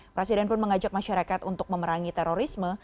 presiden pun mengajak masyarakat untuk memerangi terorisme